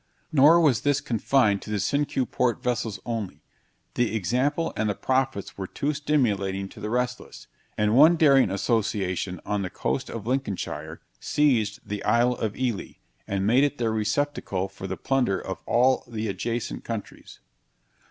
Nor was this confined to the Cinque Port vessels only; the example and the profits were too stimulating to the restless; and one daring association on the coast of Lincolnshire seized the Isle of Ely, and made it their receptacle for the plunder of all the adjacent countries.